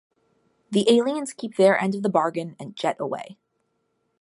The aliens keep their end of the bargain and jet away.